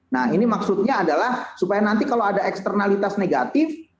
nah ini maksudnya adalah supaya nanti kalau ada eksternalitas negatif